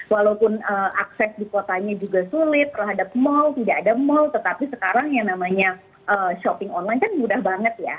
walaupun akses di kotanya juga sulit terhadap mal tidak ada mal tetapi sekarang yang namanya shopping online kan mudah banget ya